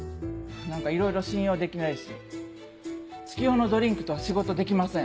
何かいろいろ信用できないし月夜野ドリンクとは仕事できません。